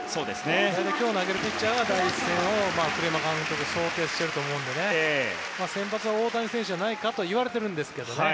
大体、今日投げるピッチャーが第１戦を、栗山監督は想定していると思いますので先発は大谷選手じゃないかと言われているんですけどね。